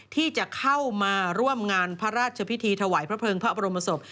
ที่จะเข้ามาร่วมงานพระราชพิธีถวายพระเภิงพระบรมศพ